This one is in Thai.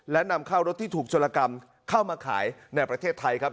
และนำเข้ารถที่ถูกชนกรรมเข้ามาขายในประเทศไทยครับ